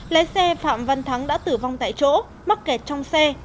lái xe phạm văn thắng đã tử vong tại chỗ mắc kẹt trong xe